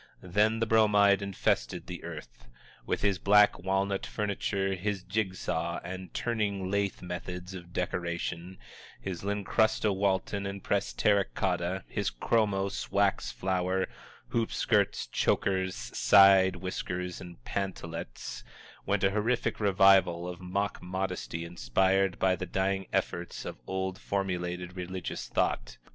Then the Bromide infested the earth. With his black walnut furniture, his jig saw and turning lathe methods of decoration, his lincrusta walton and pressed terracotta, his chromos, wax flowers, hoop skirts, chokers, side whiskers and pantalettes, went a horrific revival of mock modesty inspired by the dying efforts of the old formulated religious thought.